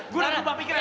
gue udah berubah pikiran